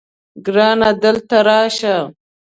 ګرانه دلته راشه